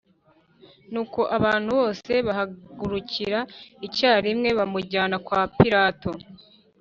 Nuko abantu bose bahagurukira icyarimwe bamujyana kwa Pilato